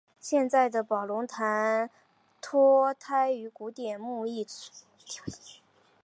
现在的宝龙罩脱胎于古典木艺品的宝笼。